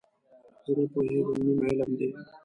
زه نه پوهېږم، نیم علم دی.